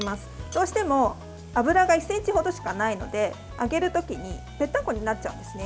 どうしても油が１ｃｍほどしかないので揚げるときに、ぺったんこになっちゃうんですね。